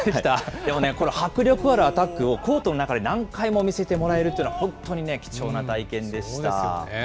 これ迫力あるアタックをコートの中で何回も見せてもらえるっていうのは、本当に貴重な体験でした。